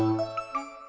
aku tidak fun kenny i